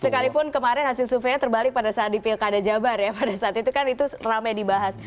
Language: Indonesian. sekalipun kemarin hasil surveinya terbalik pada saat di pilkada jabar ya pada saat itu kan itu rame dibahas